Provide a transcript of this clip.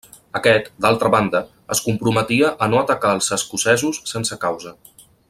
Aquest, d'altra banda, es comprometia a no atacar els escocesos sense causa.